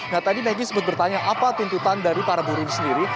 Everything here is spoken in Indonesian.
nah tadi maggie sempat bertanya apa tuntutan dari para buruh ini sendiri